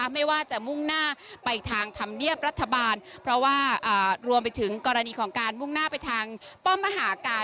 ไม่ว่าจะมุ่งหน้าไปทางธรรมเนียบรัฐบาลเพราะว่ารวมไปถึงกรณีของการมุ่งหน้าไปทางป้อมมหาการ